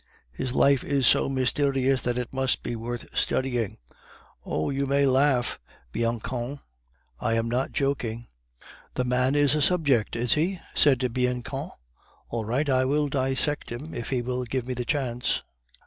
His life is so mysterious that it must be worth studying. Oh! you may laugh, Bianchon; I am not joking." "The man is a subject, is he?" said Bianchon; "all right! I will dissect him, if he will give me the chance."